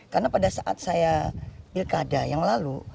karena pada saat saya ilkada yang lalu